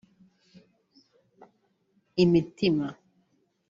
imitima